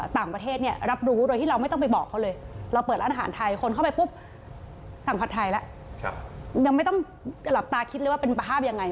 สังพัฒน์ไทยแล้วยังไม่ต้องหลับตาคิดเลยว่าเป็นประภาพยังไง